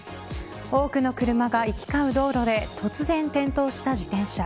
多くの車が行き交う道路で突然転倒した自転車。